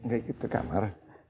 gak ikut ke kamar